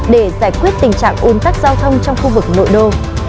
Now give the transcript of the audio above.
để giải quyết tình trạng un tắc giao thông trong khu vực nội đô